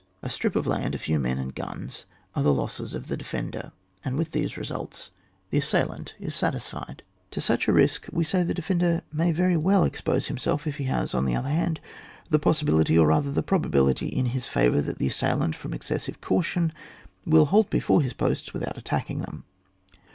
A strip of land, a few men and guns, are the losses of the defender, and with these results the assailant is satisfled. To such a risk we say the defender may very well expose himself, if he has, on the other hand, the possibility, or rather the probability, in his favour, that the assailant from excessive caution will halt before his posts without attacking them.